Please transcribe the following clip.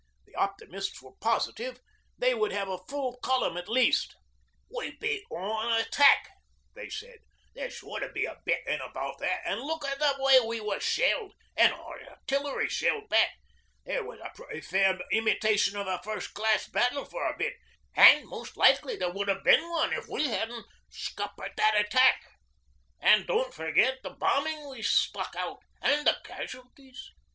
The optimists were positive they would have a full column at least. 'We beat on an attack,' they said. 'There's sure to be a bit in about that. And look at the way we were shelled, and our Artillery shelled back. There was a pretty fair imitation of a first class battle for a bit, and most likely there would have been one if we hadn't scuppered that attack. And don't forget the bombing we stuck out and the casualties.